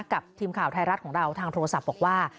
กับทีมข่าวไทยรัฐของเราทางโทรศัพท์บอกว่า